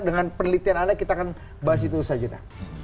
dengan penelitian anda kita akan bahas itu saja